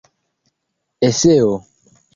eseo